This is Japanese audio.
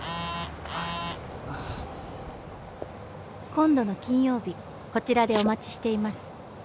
「今度の金曜日こちらでお待ちしています」